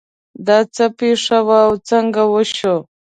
دا څه پېښه وه او څنګه وشوه